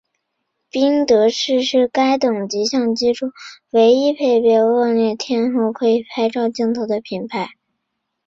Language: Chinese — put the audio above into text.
宾得士是在该等级相机中唯一配备恶劣天候可拍摄套装镜头的品牌。